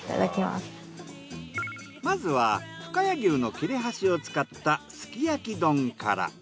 まずは深谷牛の切れ端を使ったすき焼き丼から。